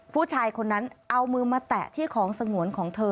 ผู้ชายคนนั้นเอามือมาแตะที่ของสงวนของเธอ